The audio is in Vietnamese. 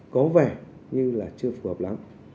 có vẻ như là chưa phù hợp lắm